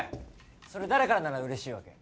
それ誰からなら嬉しいわけ？